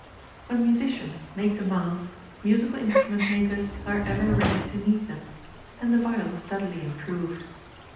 When musicians make demands musical instrument makers are ever ready to meet them, and the viol steadily improved.